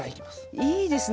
いいですね。